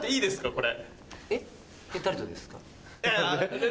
これ。